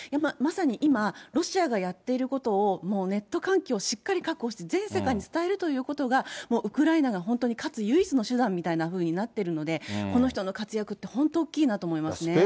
まさに今、ロシアがやっていることを、もうネット環境をしっかり確保して、全世界に伝えるということが、ウクライナが勝つ唯一の手段みたいなふうになっているので、この人の活躍って、本当大きいなと思いますね。